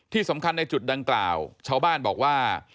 ที่สำคัญในจุดดังกล่าวชาวบ้านบอกว่า